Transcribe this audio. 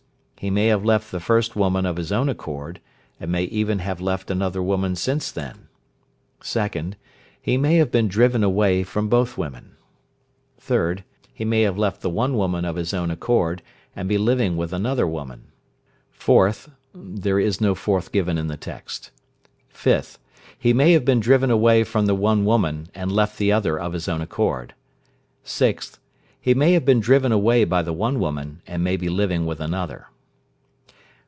He may have left the first woman of his own accord, and may even have left another woman since then. 2nd. He may have been driven away from both women. 3rd. He may have left the one woman of his own accord, and be living with another woman. 5th. He may have been driven away from the one woman, and left the other of his own accord. 6th. He may have been driven away by the one woman, and may be living with another.